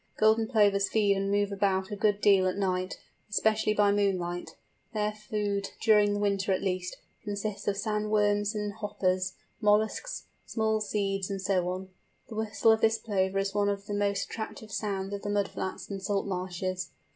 Golden Plovers feed and move about a good deal at night, especially by moonlight. Their food, during winter at least, consists of sand worms and hoppers, molluscs, small seeds, and so on. The whistle of this Plover is one of the most attractive sounds of the mud flats and salt marshes.